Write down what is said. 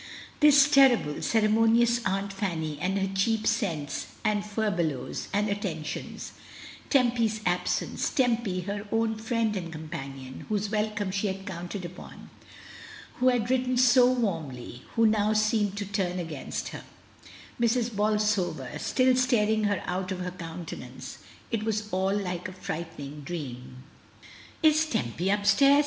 This ter rible, ceremonious Aunt Fanny and her cheap scents and furbelows and attentions, Temp/s absence, Tempy, her own friend and companion, whose wel come she had counted upon, who had written so warmly, who now seemed to turn against her; Mrs. Bolsover, still staring her out of her countenance — it was all like a frightening dream, "Is Tempy upstairs?"